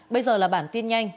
bây giờ là bản tin nhanh